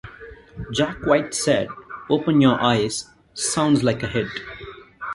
Jack White said 'Open Your Eyes' sounds like a hit.